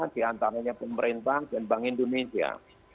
di antaranya pemerintah dan bank indonesia